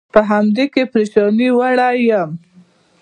په همدې کې پرېشانۍ وړی یم.